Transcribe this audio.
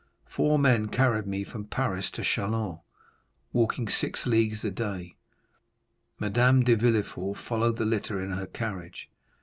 Four men carried me from Paris to Châlons, walking six leagues a day; Madame de Villefort followed the litter in her carriage.